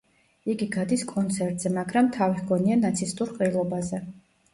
იგი გადის კონცერტზე, მაგრამ თავი ჰგონია ნაცისტურ ყრილობაზე.